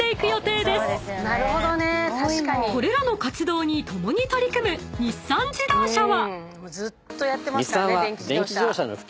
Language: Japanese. ［これらの活動に共に取り組む日産自動車は］